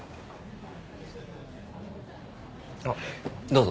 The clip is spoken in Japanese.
あっどうぞ。